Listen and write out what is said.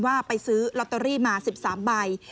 ว่าไปซื้อลอตเตอรี่มา๑๓ใบ